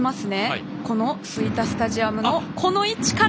この吹田スタジアムのこの位置から！